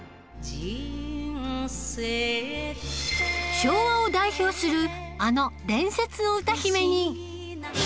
昭和を代表するあの伝説の歌姫に